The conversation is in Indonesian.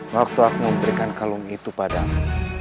waktu aku memberikan kalung itu padamu